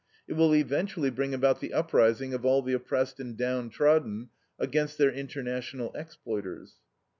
It will eventually bring about the uprising of all the oppressed and downtrodden against their international exploiters.